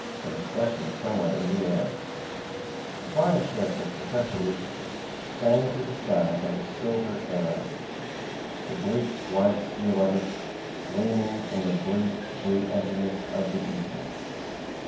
A DISCUSSION SOMEWHAT IN THE AIR The flying ship of Professor Lucifer sang through the skies like a silver arrow; the bleak white steel of it, gleaming in the bleak blue emptiness of the evening.